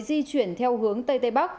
di chuyển theo hướng tây tây bắc